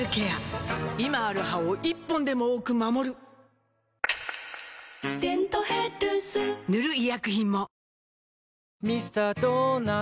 今ある歯を１本でも多く守る「デントヘルス」塗る医薬品も